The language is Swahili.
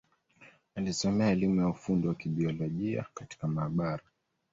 Alisomea elimu ya ufundi wa Kibiolojia katika maabara.